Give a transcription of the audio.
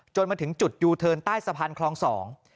มาถึงจุดยูเทิร์นใต้สะพานคลองสอง